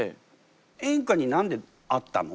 演歌に何で会ったの？